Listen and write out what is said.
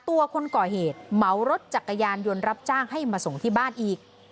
ตัวคนก่อเหตุเหมารถจักรยานยนต์รับจ้างให้มาส่งที่บ้านอีก